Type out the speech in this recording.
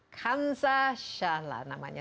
kamsa shah lah namanya